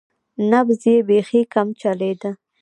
نبض یې بیخي کم چلیده.